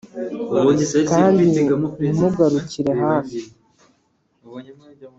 Kandi ntimugarukire hafi